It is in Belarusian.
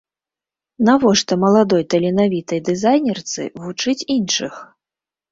Навошта маладой таленавітай дызайнерцы вучыць іншых?